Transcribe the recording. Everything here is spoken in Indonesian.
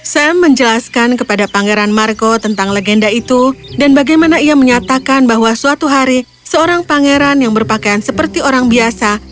sam menjelaskan kepada pangeran marco tentang legenda itu dan bagaimana ia menyatakan bahwa suatu hari seorang pangeran yang berpakaian seperti orang biasa